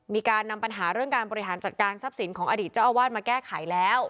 มีการนำปัญหาเรื่องการบริหารจัดการทรัพย์สินของอดีตเจ้าอาวาสมาแก้ไขแล้ว